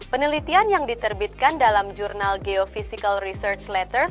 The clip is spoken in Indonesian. penelitian yang diterbitkan dalam jurnal geofisical research letters